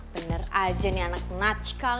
bener aja nih anak natsikal